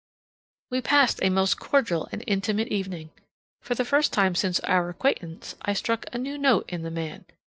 We passed a most cordial and intimate evening. For the first time since our acquaintance I struck a new note in the man.